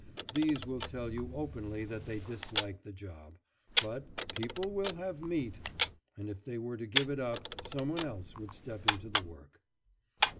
These will tell you openly that they dislike the job, but 'people will have meat,' and if they were to give it up, someone else would step into the work."